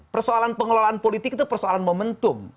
persoalan pengelolaan politik itu persoalan momentum